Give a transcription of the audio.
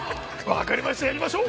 分かりました！